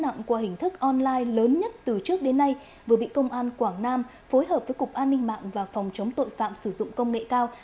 nặng qua hình thức online lớn nhất từ trước đến nay vừa bị công an quảng nam phối hợp với cục an ninh mạng và phòng chống tội phạm sử dụng công nghệ cao